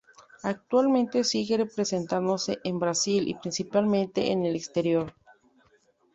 Actualmente sigue presentándose en Brasil y, principalmente, en el exterior.